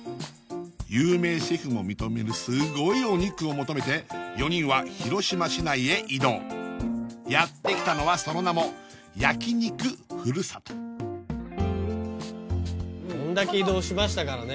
有名シェフも認めるすごいお肉を求めて４人は広島市内へ移動やって来たのはその名も焼肉ふるさとこんだけ移動しましたからね